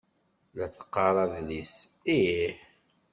La teqqar adlis? Ih.